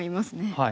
はい。